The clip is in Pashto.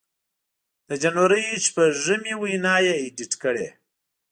د جنوري شپږمې وینا یې اېډېټ کړې